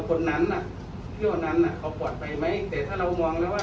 คนนั้นน่ะที่วันนั้นน่ะเขาปลอดภัยไหมแต่ถ้าเรามองแล้วว่า